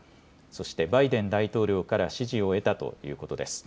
そしてバイデン大統領から支持を得たということです。